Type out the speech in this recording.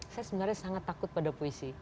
saya sebenarnya sangat takut pada puisi